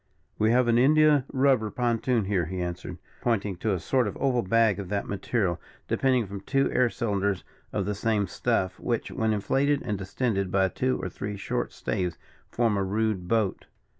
"We have an India rubber pontoon here," he answered, pointing to a sort of oval bag of that material, depending from two air cylinders of the same stuff, which, when inflated, and distended by two or three short staves, form a rude boat.